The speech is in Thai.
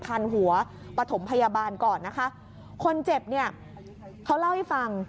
พันหัวปฐมพยาบาลก่อนนะคะคนเจ็บเนี่ยเขาเล่าให้ฟัง